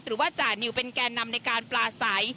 หรือว่าจานิวเป็นแก่นำในการปลาใส